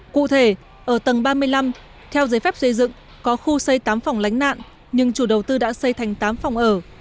cụ thể ở tầng ba mươi năm theo giấy phép xây dựng có khu xây tám phòng lánh nạn nhưng chủ đầu tư đã xây thành tám phòng ở